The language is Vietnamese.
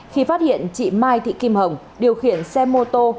khi phát hiện chị mai thị kim hồng điều khiển xe mô tô